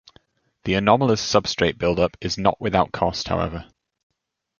The anomalous substrate buildup is not without cost, however.